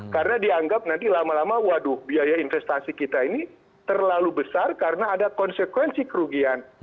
karena dianggap nanti lama lama waduh biaya investasi kita ini terlalu besar karena ada konsekuensi kerugian